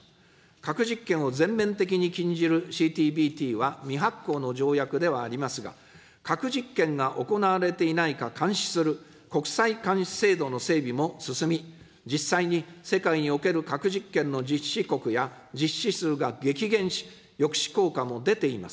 核実験を全面的に禁じるＣＴＢＴは未発効の条約ではありますが、核実験が行われていないか監視する国際監視制度の整備も進み、実際に世界における核実験の実施国や、実施数が激減し、抑止効果も出ています。